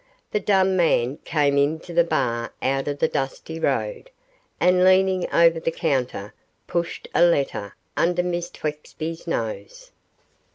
The dumb man came into the bar out of the dusty road, and, leaning over the counter, pushed a letter under Miss Twexby's nose.